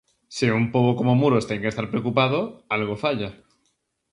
Se un pobo como Muros ten que estar preocupado, algo falla.